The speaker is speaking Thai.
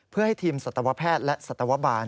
เพื่อให้ทีมสัตวแพทย์และสัตวบาล